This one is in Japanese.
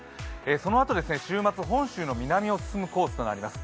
そのあと週末、本州の南を進むコースとなります。